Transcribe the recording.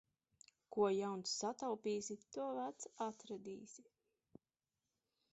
Ko jauns sataupīsi, to vecs atradīsi.